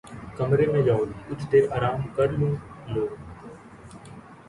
کمرے میں جاؤ کچھ دیر آرام کر لوں لو